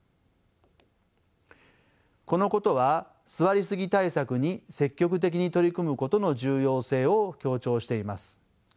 このことは座りすぎ対策に積極的に取り組むことの重要性を強調しています。